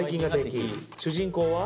主人公は？